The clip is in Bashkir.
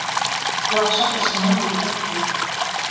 Яҡшы кешенең дуҫы күп.